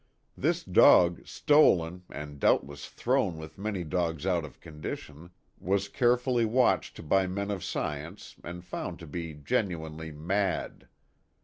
This dog, stolen, and doubtless thrown with many dogs out of condition, was carefully A LONG HORROR. 99 watched by men of science and found to be genuinely "mad."